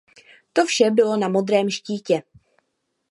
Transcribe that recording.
To vše bylo na modrém štítě.